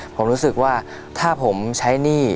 ผมรู้สึกว่าถ้าผมใช้หนี้